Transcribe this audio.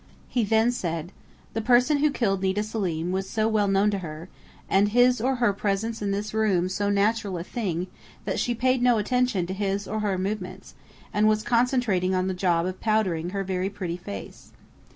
He had said then: "The person who killed Nita Selim, was so well known to her, and his or her presence in this room so natural a thing that she paid no attention to his or her movements and was concentrating on the job of powdering her very pretty face."